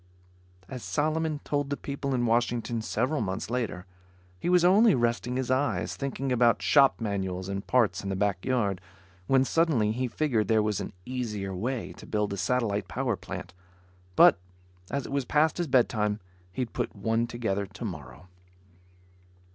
As Solomon told the people in Washington several months later, he was only resting his eyes, thinking about shop manuals and parts in the back yard. When suddenly he figured there was an easier way to build a satellite power plant. But, as it was past his bedtime, he'd put one together tomorrow.